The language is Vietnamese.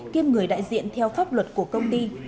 kiêm người đại diện theo pháp luật của công ty